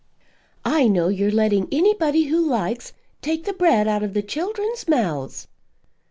"I know you're letting anybody who likes take the bread out of the children's mouths."